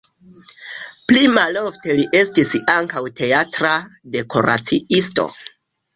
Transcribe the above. Pli malofte li estis ankaŭ teatra dekoraciisto.